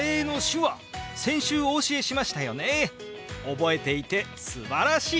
覚えていてすばらしい！